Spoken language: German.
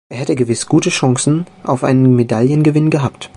Er hätte gewiss gute Chancen auf einen Medaillengewinn gehabt.